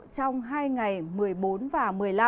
trong hai ngày một mươi bốn và một mươi năm